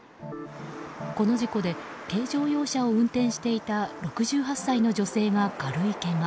この事故で軽乗用車を運転していた６８歳の女性が軽いけが。